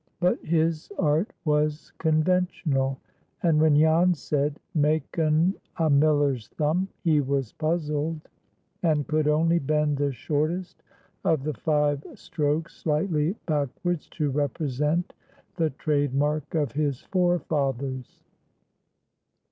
But his art was conventional, and when Jan said, "Make un a miller's thumb," he was puzzled, and could only bend the shortest of the five strokes slightly backwards to represent the trade mark of his forefathers.